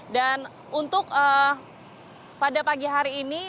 dan untuk pada pagi hari ini